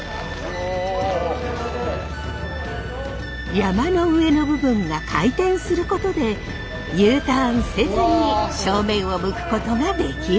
山車の上の部分が回転することでＵターンせずに正面を向くことができるんです！